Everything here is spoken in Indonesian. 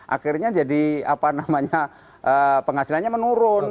akhirnya jadi apa namanya penghasilannya menurun